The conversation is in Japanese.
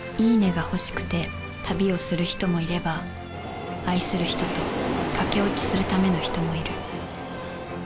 いいねが欲しくて旅をする人もいれば愛する人と駆け落ちするための人もいる。